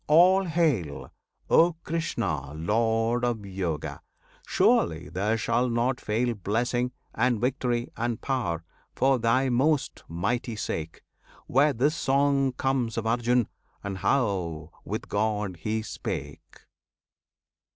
all hail! O Krishna, Lord of Yoga! surely there shall not fail Blessing, and victory, and power, for Thy most mighty sake, Where this song comes of Arjun, and how with God he spake.